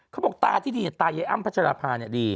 เขาบอกตาที่ดีตายายอ้ำพัชราภาเนี่ยดี